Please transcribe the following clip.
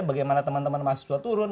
bagaimana teman teman mahasiswa turun